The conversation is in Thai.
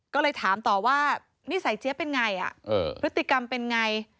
ก็เลยถามต่อว่านิสัยเจี๊ยบเป็นไงพฤติกรรมเป็นไง